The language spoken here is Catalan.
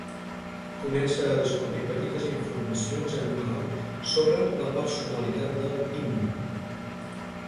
Comença a descobrir petites informacions en clau sobre la personalitat del Tim.